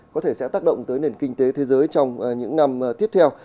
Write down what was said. có thể sẽ tác động tới nền kinh tế thế giới trong những năm tiếp theo